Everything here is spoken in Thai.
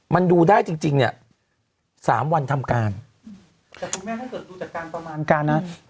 มันดูได้จริงเนี่ยสามวันทำการ